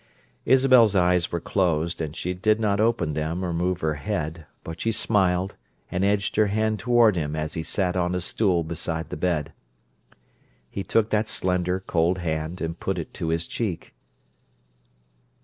Isabel's eyes were closed, and she did not open them or move her head, but she smiled and edged her hand toward him as he sat on a stool beside the bed. He took that slender, cold hand, and put it to his cheek.